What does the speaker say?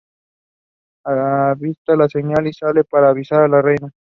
Avista la señal y sale para avisar a la reina.